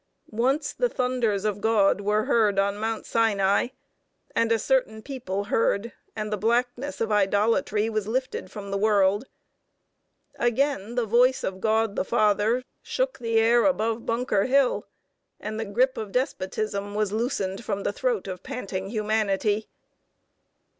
Once the thunders of God were heard on Mount Sinai, and a certain people heard, and the blackness of idolatry was lifted from the world. Again the voice of God, the Father, shook the air above Bunker Hill, and the grip of despotism was loosened from the throat of panting humanity.